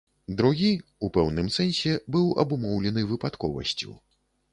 Другі, у пэўным сэнсе, быў абумоўлены выпадковасцю.